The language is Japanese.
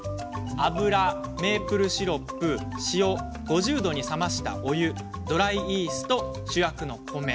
油、メープルシロップ、塩５０度に冷ました、お湯ドライイースト、主役の米。